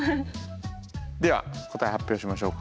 では答え発表しましょうか。